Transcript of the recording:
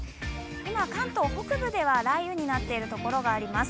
今、関東北部では雷雨になっているところがあります。